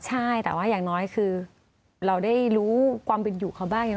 ใช่แต่ว่าอย่างน้อยคือเราได้รู้ความเป็นอยู่เขาบ้าง